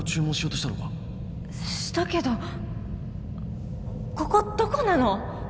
したけどここどこなの？